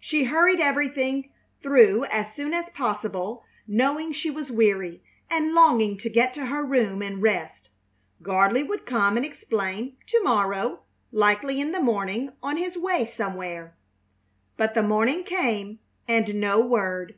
She hurried everything through as soon as possible, knowing she was weary, and longing to get to her room and rest. Gardley would come and explain to morrow, likely in the morning on his way somewhere. But the morning came and no word.